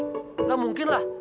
enggak mungkin lah